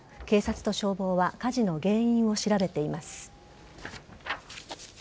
警察と消防は火事の原因を調べています。